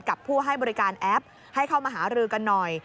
กับผู้ให้บริการแอปให้เข้ามาหารือกันหน่อย